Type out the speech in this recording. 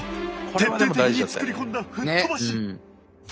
徹底的に作り込んだ「ふっ飛ばし」。